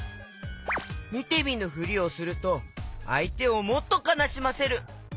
みてみぬふりをするとあいてをもっとかなしませる。